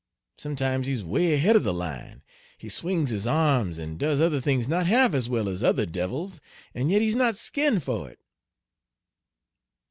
Sometimes he's 'way head of the line. He swings his arms, and does other things not half as well as other 'devils,' and yet he's not 'skinned' for it."